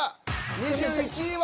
２１位は。